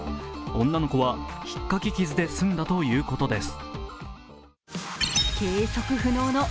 女の子はひっかき傷で済んだということです。